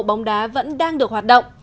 bóng đá vẫn đang được hoạt động